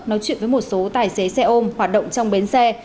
nói chuyện với một số tài xế xe ôm hoạt động trong bến xe